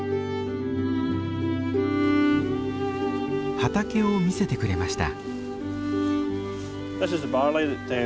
畑を見せてくれました。